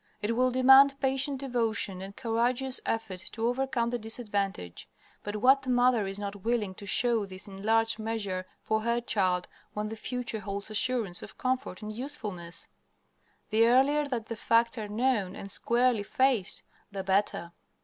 It will demand patient devotion and courageous effort to overcome the disadvantage, but what mother is not willing to show these in large measure for her child when the future holds assurance of comfort and usefulness? The earlier that the facts are known and squarely faced, the better.